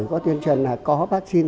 có tuyên truyền là có vaccine